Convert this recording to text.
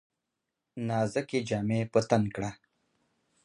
نازکي جامې په تن کړه !